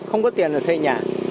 không có tiền là xây nhà